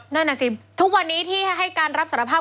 นั่นน่ะสิทุกวันนี้ที่ให้การรับสารภาพ